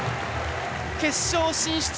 決勝進出！